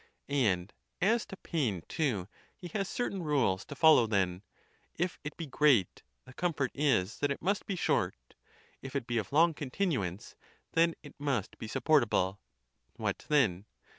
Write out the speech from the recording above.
And as to pain, too, he has certain rules to follow then: if it be great, the comfort is that it must be short; if it be of long continuance, then it must be supportable. What, then?